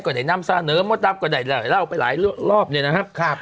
กว่าใดน้ำซาเนิ้มกว่าใดเหล่าไปหลายรอบเนี่ยนะครับ